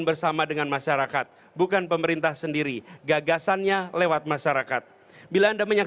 bapak bapak bapak tahu nggak pak